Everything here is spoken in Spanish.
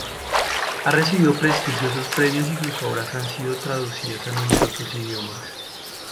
Ha recibido prestigiosos premios y sus obras han sido traducidas a numerosos idiomas.